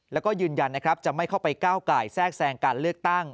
แล้วก็ยืนยันนะครับจะไม่เข้าไปก้าวไก่แทรกแทรงการเลือกตั้ง